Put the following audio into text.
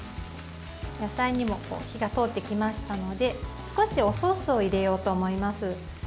野菜にも火が通ってきましたので少し、おソースを入れようと思います。